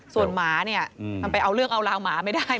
ส่วนหมาเนี่ยมันไปเอาเรื่องเอาราวหมาไม่ได้